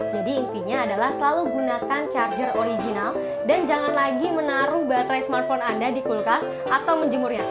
jadi intinya adalah selalu gunakan charger original dan jangan lagi menaruh baterai smartphone anda di kulkas atau menjemurnya